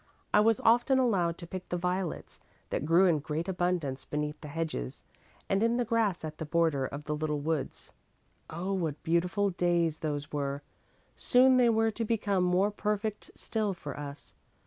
I was often allowed to pick the violets that grew in great abundance beneath the hedges and in the grass at the border of the little woods. Oh, what beautiful days those were! Soon they were to become more perfect still for us.